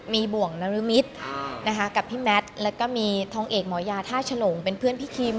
มีบ่วงนรมิตรนะคะกับพี่แมทแล้วก็มีทองเอกหมอยาท่าฉลงเป็นเพื่อนพี่คิม